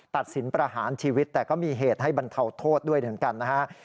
ตัดสินประหารชีวิตแต่ก็มีเหตุให้บรรเทาโทษด้วยเหมือนกันนะฮะ